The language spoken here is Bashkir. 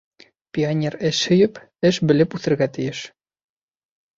— Пионер эш һөйөп, эш белеп үҫергә тейеш.